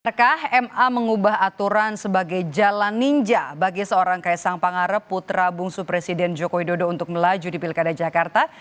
apakah ma mengubah aturan sebagai jalan ninja bagi seorang kaisang pangarep putra bungsu presiden joko widodo untuk melaju di pilkada jakarta